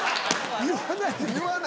言わないな。